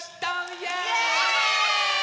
イエーイ！